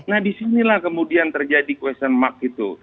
nah di sinilah kemudian terjadi question mark itu